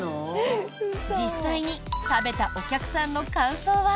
実際に食べたお客さんの感想は。